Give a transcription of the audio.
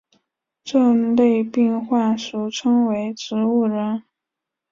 这类病患俗称为植物人。